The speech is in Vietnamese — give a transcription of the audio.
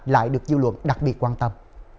lại được dư luận đặc biệt quan tâm